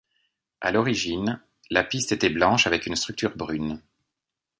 À l'origine, la piste était blanche avec une structure brune.